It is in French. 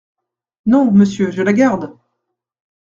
Non, monsieur, je la garde !…